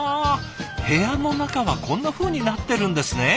部屋の中はこんなふうになってるんですね。